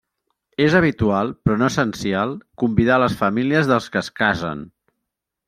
És habitual, però no essencial, convidar les famílies dels que es casen.